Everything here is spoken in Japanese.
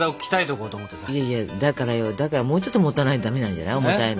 いやいやだからよだからもうちょっと持たないとダメなんじゃない？